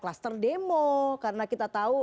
kluster demo karena kita tahu